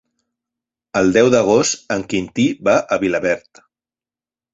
El deu d'agost en Quintí va a Vilaverd.